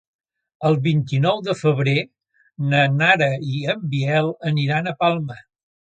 El vint-i-nou de febrer na Nara i en Biel aniran a Palma.